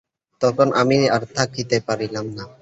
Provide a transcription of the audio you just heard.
তখন আমি আর থাকিতে পারিলাম না।